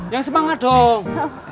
jangan semangat dong